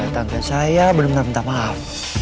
tante saya benar benar maaf